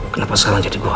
kenapa sekarang jadi saya